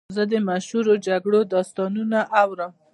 زه د مشهورو جګړو داستانونه اورم.